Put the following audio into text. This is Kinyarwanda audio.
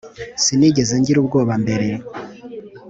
sinigeze ngira ubwoba mbere